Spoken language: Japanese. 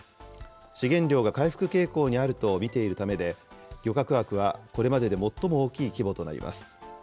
資源量が回復傾向にあると見ているためで、漁獲枠はこれまでで最も大きい規模となります。